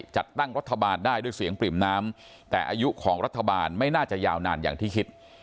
จัดตั้งรัฐบาลได้ด้วยเสียงปริ่มน้ำแต่อายุของรัฐบาลไม่น่าจะยาวนานอย่างที่คิด